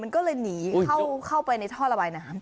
เข้าไปในท่อระบายน้ำ